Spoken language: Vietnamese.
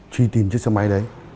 truy tìm chiếc xe máy đấy